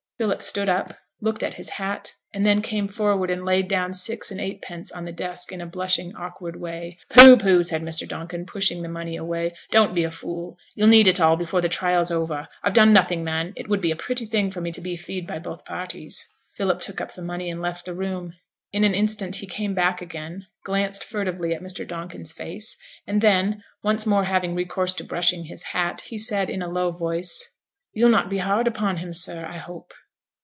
Philip stood up, looked at his hat, and then came forward and laid down six and eightpence on the desk in a blushing, awkward way. 'Pooh! pooh!' said Mr. Donkin, pushing the money away. 'Don't be a fool; you'll need it all before the trial's over. I've done nothing, man. It would be a pretty thing for me to be feed by both parties.' Philip took up the money, and left the room. In an instant he came back again, glanced furtively at Mr. Donkin's face, and then, once more having recourse to brushing his hat, he said, in a low voice 'You'll not be hard upon him, sir, I hope?'